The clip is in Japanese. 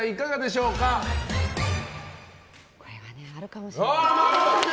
これはあるかもしれない。